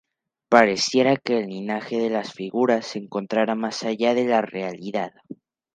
Pareciera que el linaje de las figuras se encontrara más allá de la realidad.